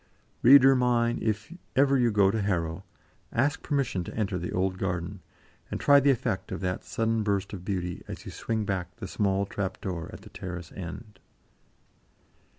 Reader mine, if ever you go to Harrow, ask permission to enter the old garden, and try the effect of that sudden burst of beauty, as you swing back the small trap door at the terrace end.